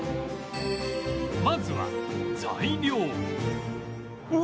まずは材料